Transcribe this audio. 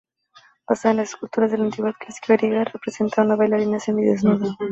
Basada en las esculturas de la antigüedad clásica griega, representa a una bailarina semidesnuda.